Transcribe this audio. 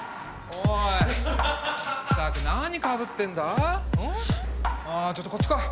おいちょっとこっち来い。